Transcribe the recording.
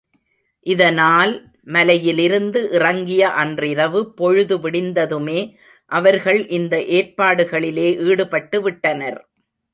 இதனால் மலையிலிருந்து இறங்கிய அன்றிரவு, பொழுது விடிந்ததுமே அவர்கள் இந்த ஏற்பாடுகளிலே ஈடுபட்டு விட்டனர்.